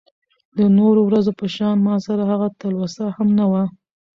د نورو ورځو په شان ماسره هغه تلوسه هم نه وه .